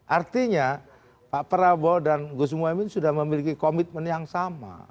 artinya pak prabowo dan gus muhaymin sudah memiliki komitmen yang sama